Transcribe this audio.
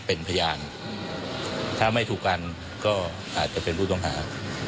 เป็นพยานถ้าไม่ถูกกันก็อาจจะเป็นผู้ต้องหา